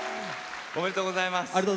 おめでとうございます。